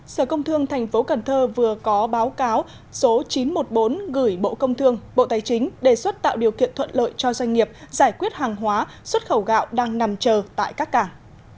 sở công thương tp cần thơ vừa có báo cáo số chín trăm một mươi bốn gửi bộ công thương bộ tài chính đề xuất tạo điều kiện thuận lợi cho doanh nghiệp giải quyết hàng hóa xuất khẩu gạo đang nằm chờ tại các cảng